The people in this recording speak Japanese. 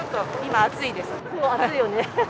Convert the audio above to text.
暑いよね。